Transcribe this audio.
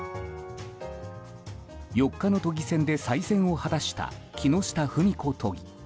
４日の都議選で再選を果たした木下富美子都議。